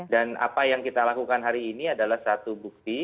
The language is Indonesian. dan apa yang kita lakukan hari ini adalah satu bukti